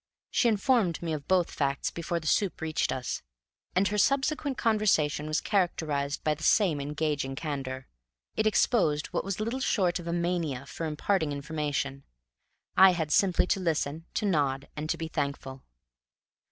She informed me of both facts before the soup reached us, and her subsequent conversation was characterized by the same engaging candor. It exposed what was little short of a mania for imparting information. I had simply to listen, to nod, and to be thankful.